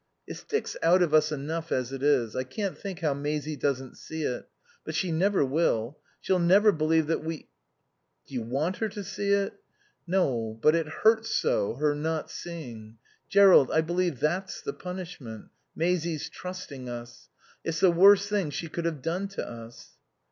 "It sticks out of us enough as it is. I can't think how Maisie doesn't see it. But she never will. She'll never believe that we " "Do you want her to see it?" "No, but it hurts so, her not seeing.... Jerrold, I believe that's the punishment Maisie's trusting us. It's the worst thing she could have done to us."